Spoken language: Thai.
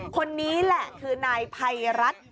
คนนี้แหละคือนายภัยรัฐ